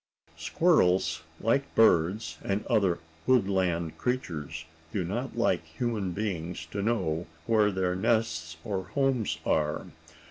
Squirrels, like birds and other woodland creatures, do not like human beings to know where their nests or homes are.